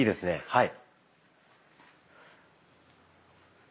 はい。